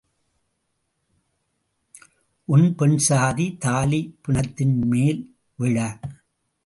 உன் பெண்சாதி தாலி பிணத்தின்மேல் விழ.